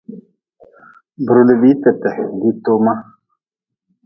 Bi rudbii tete diitoma.